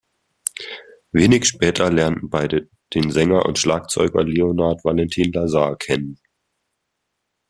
Wenig später lernten beide den Sänger und Schlagzeuger Leonard Valentin Lazar kennen.